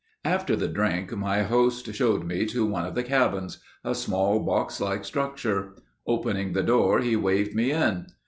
After the drink my host showed me to one of the cabins—a small, boxlike structure. Opening the door he waved me in.